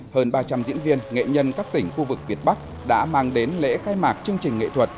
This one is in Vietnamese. hơn ba trăm linh diễn viên nghệ nhân các tỉnh khu vực việt bắc đã mang đến lễ khai mạc chương trình nghệ thuật